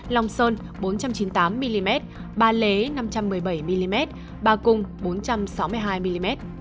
long sơn bốn trăm chín mươi tám mm ba lế năm trăm một mươi bảy mm ba cung bốn trăm sáu mươi hai mm